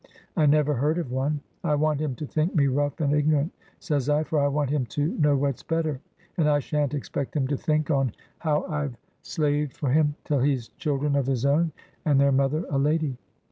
I never heard of one. 'I want him to think me rough and ignorant,' says I, 'for I want him to know what's better. And I shan't expect him to think on how I've slaved for him, till he's children of his own, and their mother a lady.